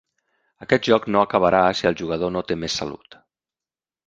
Aquest joc no acabarà si el jugador no té més salut.